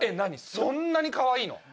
そんなにかわいいの？